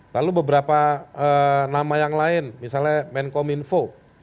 lalu beberapa nama yang lain misalnya menkom info